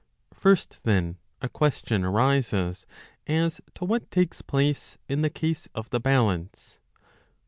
FIRST, then, a question arises as to what takes place in the case of the balance.